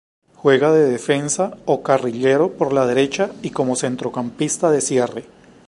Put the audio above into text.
Juega de defensa o carrilero por la derecha y como centrocampista de cierre.